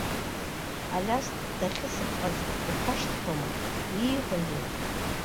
Алиас дахьыспҟаз ихашьҭхьоума, ииҳәозеи?